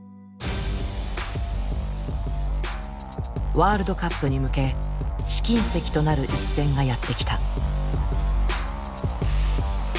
ワールドカップに向け試金石となる一戦がやって来た。